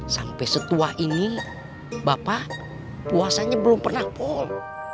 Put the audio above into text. sampai setuah ini bapak puasanya belum pernah pol